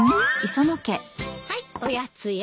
はいおやつよ。